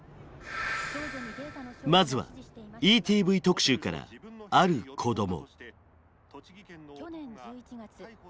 まずはＥＴＶ特集から「ある子ども」。